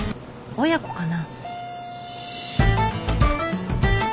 親子かな？